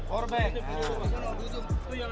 ini minuman ini tidak boleh